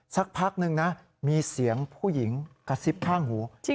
สักพักนึงนะมีเสียงผู้หญิงกระซิบข้างหู